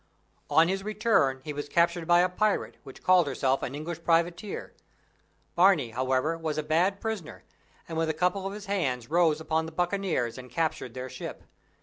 On his return he was captured by a pirate, which called herself an English privateer. Barney, however, was a bad prisoner, and with a couple of his hands rose upon the buccaneers and captured their ship.